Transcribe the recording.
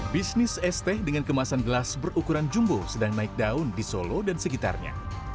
bisnis esteh dengan kemasan glas berukuran jumbo sedang naik daun di solo dan segitarnya